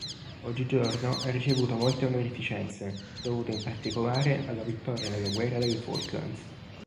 Oggigiorno ha ricevuto molte onorificenze, dovute in particolare alla vittoria nella Guerra delle Falklands.